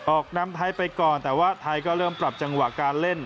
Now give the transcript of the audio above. นำไทยไปก่อนแต่ว่าไทยก็เริ่มปรับจังหวะการเล่น